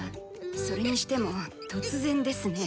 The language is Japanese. それにしても突然ですね。